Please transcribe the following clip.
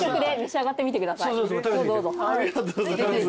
ありがとうございます。